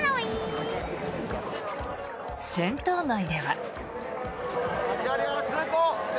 センター街では。